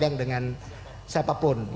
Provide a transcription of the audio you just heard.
dia dagang dengan siapapun